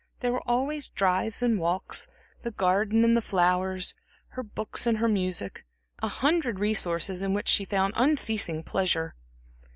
There were always drives and walks, the garden and the flowers, her books and her music, a hundred resources in which she found unceasing pleasure.